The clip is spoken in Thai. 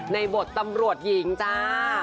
ในบทตำรวจหญิงจ้า